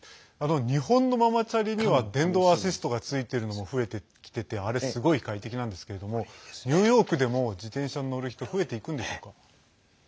日本のママチャリには電動アシストがついてるのも増えてきててあれ、すごい快適なんですけどもニューヨークでも自転車に乗る人増えていくんでしょうか。